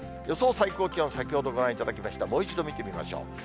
予想最高気温、先ほどご覧いただきました、もう一度見てみましょう。